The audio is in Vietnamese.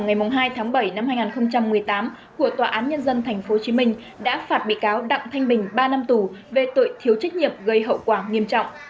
ngày hai tháng bảy năm hai nghìn một mươi tám của tòa án nhân dân tp hcm đã phạt bị cáo đặng thanh bình ba năm tù về tội thiếu trách nhiệm gây hậu quả nghiêm trọng